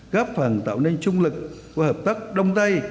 góp phần tạo nên chung lực và hợp tác đông tay